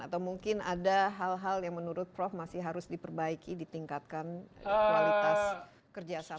atau mungkin ada hal hal yang menurut prof masih harus diperbaiki ditingkatkan kualitas kerjasama